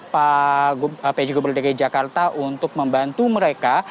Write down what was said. pak pj gubernur dki jakarta untuk membantu mereka